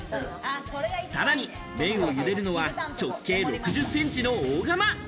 さらに麺をゆでるのは、直径６０センチの大釜。